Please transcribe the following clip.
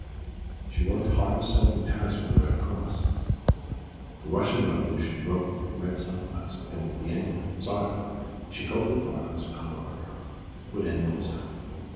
She worked heart and soul in Paris for the Red Cross. The Russian Revolution broke like a red sunrise and with the end of Tsardom she hoped that Markoff's power over her would end also.